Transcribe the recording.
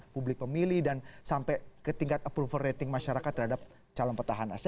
publik pemilih dan sampai ke tingkat approval rating masyarakat terhadap calon petahana